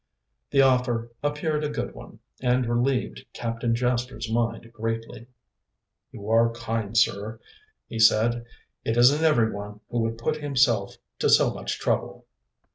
The offer appeared a good one, and relieved Captain Jasper's mind greatly. "You are kind, sir," he said. "It isn't everyone who would put himself to so much trouble."